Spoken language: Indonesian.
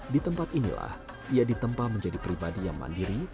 di tempat inilah ia ditempa menjadi pribadi yang mandiri